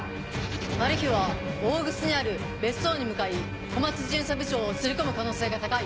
マルヒは大楠にある別荘に向かい小松巡査部長を連れ込む可能性が高い。